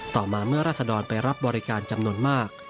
ต่อมาเมื่อราศดรไปรับบริการจำนวนมาก